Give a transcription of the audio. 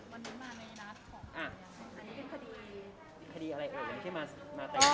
วันนี้มาในนัดของอันนี้เป็นคดี